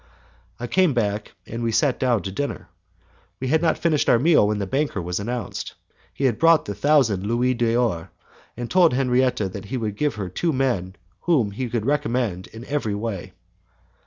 I came back and we sat down to dinner. We had not finished our meal when the banker was announced. He had brought the thousand louis d'or, and told Henriette that he would give her two men whom he could recommend in every way.